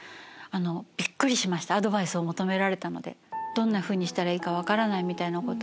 どんなふうにしたらいいか分からないみたいなことを。